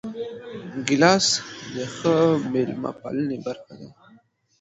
ګیلاس د ښه میلمه پالنې برخه ده.